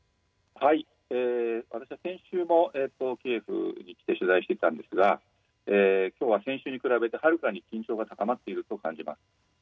私は先週もキエフに来て取材していたんですがきょうは先週に比べてはるかに緊張が高まっていると感じます。